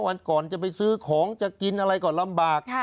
วันก่อนจะไปซื้อของจะกินอะไรก็ลำบาก